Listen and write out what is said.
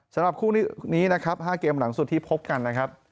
สำหรับคู่นี้นะครับ๕เกมหลังสุดที่พบกันนะครับ